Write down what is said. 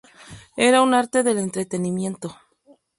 Era un arte del entretenimiento.